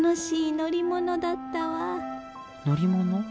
乗り物？